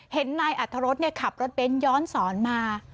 เห็นนายอัธรสขับรถเบ้นย้อนสอนมา